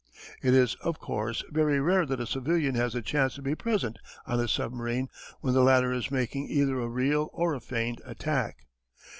It is, of course, very rare that a civilian has the chance to be present on a submarine when the latter is making either a real or a feigned attack.